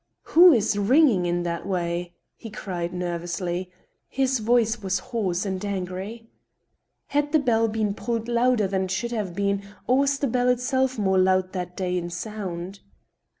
" Who is ringing in that way ?" he cried, nervously. His voice was hoarse and angry. Had the bell been pulled louder than it should have been, or was the bell itself more loud that day in sound